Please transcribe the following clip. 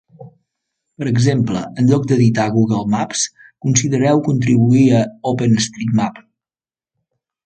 Per exemple, en lloc d'editar Google Maps, considereu contribuir a OpenStreetMap.